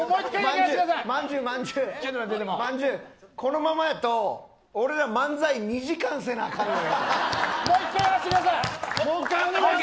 まんじゅう、このままやと俺ら漫才２時間せなあかんねん。